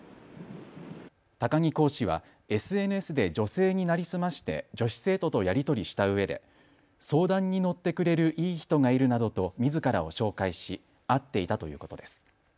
高木講師はＳＮＳで女性に成り済まして女子生徒とやり取りしたうえで相談に乗ってくれるいい人がいるなどとみずからを紹介し会っていたということです。